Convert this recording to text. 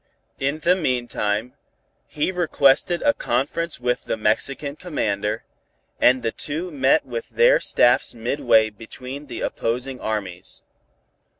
In the meantime, he requested a conference with the Mexican Commander, and the two met with their staffs midway between the opposing armies.